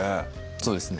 そうですね